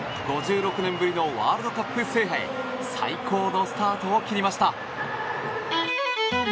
５６年ぶりのワールドカップ制覇へ最高のスタートを切りました。